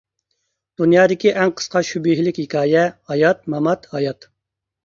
دۇنيادىكى ئەڭ قىسقا شۈبھىلىك ھېكايە: ھايات، مامات، ھايات.